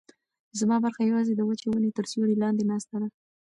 زما برخه یوازې د وچې ونې تر سیوري لاندې ناسته ده.